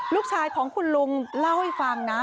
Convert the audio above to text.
ลูกชายของคุณลุงเล่าให้ฟังนะ